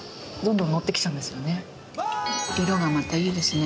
色がまたいいですね。